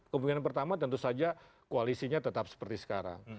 kemungkinan pertama tentu saja koalisinya tetap seperti sekarang